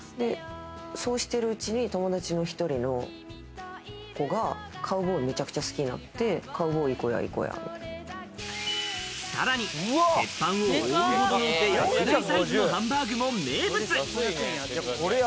そうしてるうちに友達の１人の子がカウボーイ、めちゃくちゃ好きになって、さらに鉄板を覆うほどの特大サイズのハンバーグも名物。